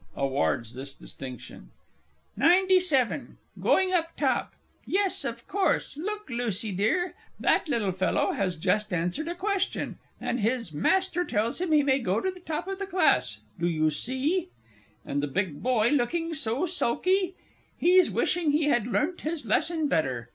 (Awards this distinction.) 97. "Going up Top." Yes, of course. Look, Lucy dear, that little fellow has just answered a question, and his master tells him he may go to the top of the class, do you see? And the big boy looking so sulky, he's wishing he had learnt his lesson better.